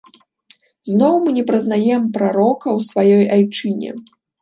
Зноў мы не прызнаем прарока ў сваёй айчыне.